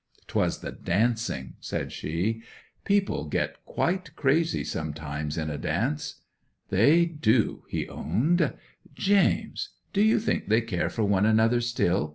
'"'Twas the dancing," said she. "People get quite crazy sometimes in a dance." '"They do," he owned. '"James—do you think they care for one another still?"